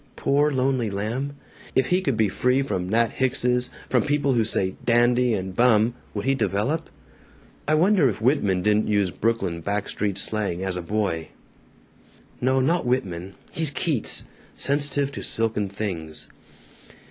Poor lonely lamb! If he could be free from Nat Hickses, from people who say 'dandy' and 'bum,' would he develop? "I wonder if Whitman didn't use Brooklyn back street slang, as a boy? "No. Not Whitman. He's Keats sensitive to silken things.